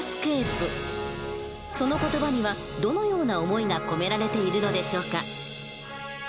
その言葉にはどのような思いが込められているのでしょうか？